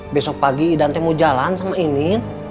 besok pagi ida mau jalan sama ini